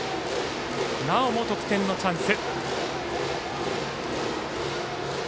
なおも得点のチャンス。